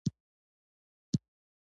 خو زما سره تل دا فکرونه وو.